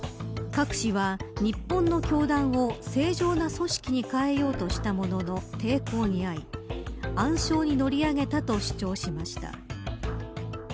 カク氏は日本の教団を正常な組織に変えようとしたものの、抵抗に遭い暗礁に乗り上げたと主張しました。